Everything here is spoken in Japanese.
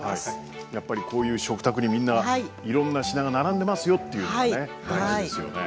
やっぱりこういう食卓にみんないろんな品が並んでますよっていうことがね